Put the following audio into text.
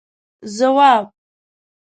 ځواب: